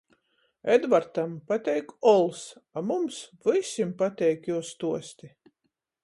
Edvartam pateik ols, a mums vysim pateik juo stuosti.